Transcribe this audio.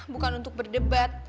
bukan untuk berdebat